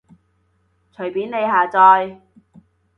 隨便你下載